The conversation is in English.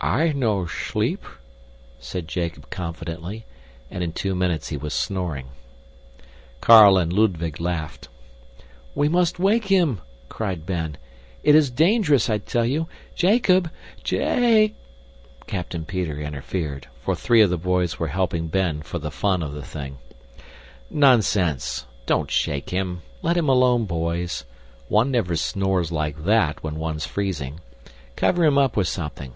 "I no sleep," said Jacob confidently, and in two minutes he was snoring. Carl and Ludwig laughed. "We must wake him!" cried Ben. "It is dangerous, I tell you Jacob! Ja a c " Captain Peter interfered, for three of the boys were helping Ben for the fun of the thing. "Nonsense! Don't shake him! Let him alone, boys. One never snores like that when one's freezing. Cover him up with something.